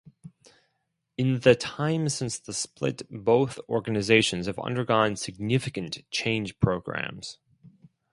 In the time since the split both organisations have undergone significant change programmes.